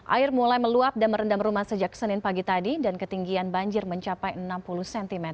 air mulai meluap dan merendam rumah sejak senin pagi tadi dan ketinggian banjir mencapai enam puluh cm